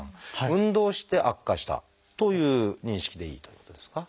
運動して悪化したという認識でいいということですか？